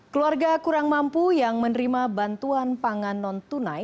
keluarga kurang mampu yang menerima bantuan pangan non tunai